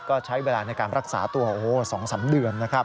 ก็ใช้เวลาในการรักษาตัว๒๓เดือนนะครับ